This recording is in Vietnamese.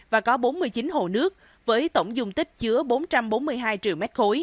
và có bốn mươi chín hồ nước với tổng dung tích chứa bốn trăm bốn mươi hai triệu m ba